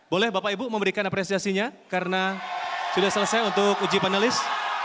boleh bapak ibu memberikan apresiasinya karena sudah selesai untuk uji panelis